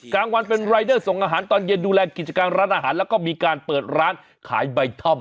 กลางวันเป็นรายเดอร์ส่งอาหารตอนเย็นดูแลกิจการร้านอาหารแล้วก็มีการเปิดร้านขายใบท่อม